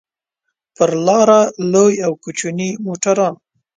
پر لاره لوی او کوچني موټران.